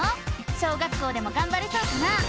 小学校でもがんばれそうかな？